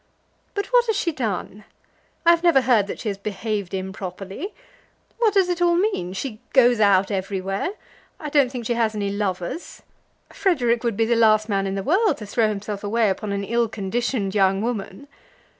"But what has she done? I have never heard that she has behaved improperly. What does it all mean? She goes out everywhere. I don't think she has had any lovers. Frederic would be the last man in the world to throw himself away upon an ill conditioned young woman."